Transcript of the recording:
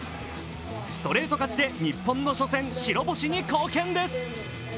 ストレート勝ちで日本の初戦、白星の貢献です。